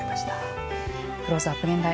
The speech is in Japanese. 「クローズアップ現代」